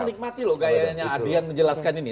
saya menikmati loh gayanya adrian menjelaskan ini